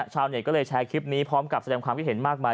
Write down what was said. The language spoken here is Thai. ชาวเน็ตก็เลยแชร์คลิปนี้พร้อมกับแสดงความคิดเห็นมากมาย